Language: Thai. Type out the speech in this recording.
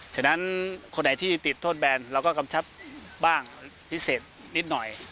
ฉะนั้นคนไหนที่ติดโทษแบนเราก็กำชับบ้างพิเศษนิดหน่อย